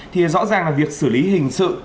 thì rõ ràng là việc xử lý hình sự